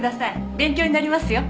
勉強になりますよ。